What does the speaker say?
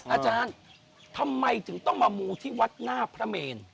อาจารย์ทำไมถึงต้องมามูที่วัดหน้าพระเมน